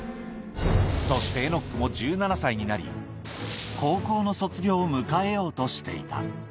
そしてエノックも１７歳になり、高校の卒業を迎えようとしていた。